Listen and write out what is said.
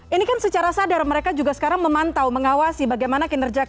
ini kan secara sadar mereka juga sekarang memantau mengawasi bagaimana kinerja kpk